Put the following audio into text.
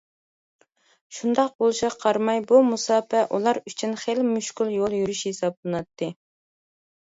شۇنداق بولۇشىغا قارىماي بۇ مۇساپە ئۇلار ئۈچۈن خىلى مۈشكۈل يول يورۇش ھېسابلىناتتى.